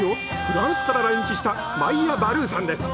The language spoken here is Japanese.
フランスから来日したマイア・バルーさんです